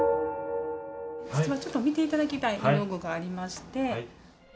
実はちょっと見ていただきたい絵の具がありまして。